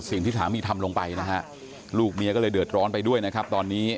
สิ่งที่สามีทำลงไปนะฮะลูกเมียก็เลยเดือดร้อนไปด้วยนะครับตอนนี้